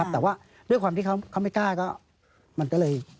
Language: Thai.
แต่ว่าด้วยความที่เขาไม่กล้าก็มันก็เลย